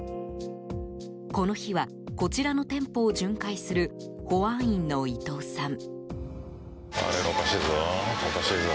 この日はこちらの店舗を巡回する保安員の伊東さん。